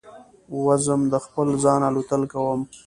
وزم د خپل ځانه الوتل کوم